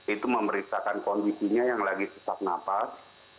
itu memeriksakan kondisinya yang lagi sesak nafas